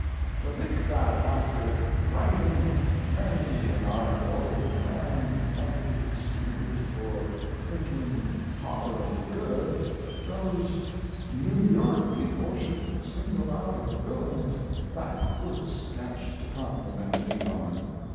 To think that, after writing many an article a man might be excused for thinking tolerably good, those New York people should single out a villainous backwoods sketch to compliment me on!